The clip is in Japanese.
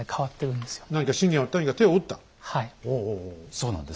そうなんです。